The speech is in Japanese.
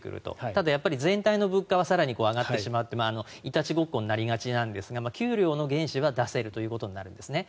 ただ、全体の物価は更に上がってしまっていたちごっこになりがちなんですが給料の原資は出せるということになるんですね。